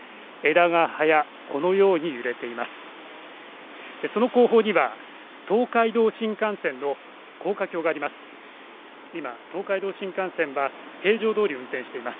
枝や葉がこのように揺れています。